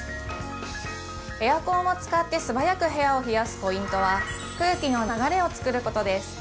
エアコンを使って素早く部屋を冷やすポイントは空気の流れをつくることです